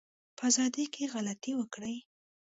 په ازادی کی غلطي وکړی